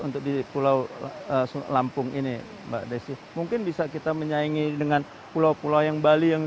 untuk di pulau lampung ini mbak desi mungkin bisa kita menyaingi dengan pulau pulau yang bali yang